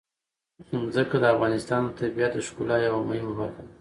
ځمکه د افغانستان د طبیعت د ښکلا یوه مهمه برخه ده.